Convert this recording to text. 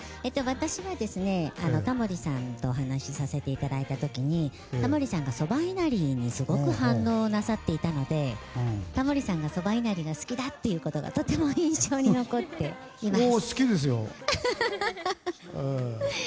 私はタモリさんとお話しさせていただいた時にタモリさんがそば稲荷にすごく反応なさっていたのでタモリさんがそば稲荷が好きだということがとても印象に残っています。